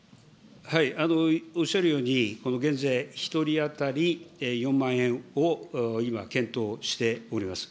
おっしゃるように、減税、１人当たり４万円を今、検討しております。